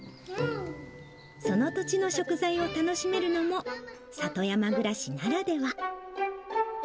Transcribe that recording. その土地の食材を楽しめるのも、里山暮らしならでは。